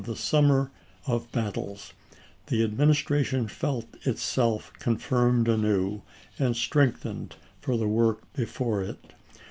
this summer of battles ; the Administration felt itself confirmed anew and strengthened for the work before it.